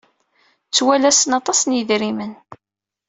Ttwalasen aṭas n yidrimen.